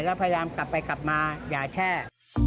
แล้วพยายามกลับไปกลับมาอย่าแช่